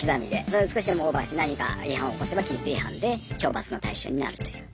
それを少しでもオーバーして何か違反を起こせば規律違反で懲罰の対象になるという。